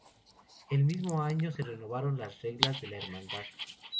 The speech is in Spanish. El mismo año se renovaron las reglas de la hermandad.